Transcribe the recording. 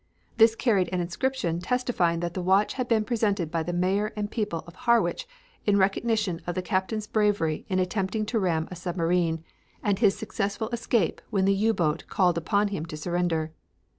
This carried an inscription testifying that the watch had been presented by the mayor and people of Harwich in recognition of the Captain's bravery in attempting to ram a submarine, and his successful escape when the U boat called upon him to surrender.